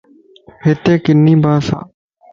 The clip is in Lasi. ھتي ڪِني ڀاسَ ئي.